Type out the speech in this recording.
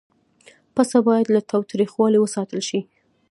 پسه باید له تاوتریخوالي وساتل شي.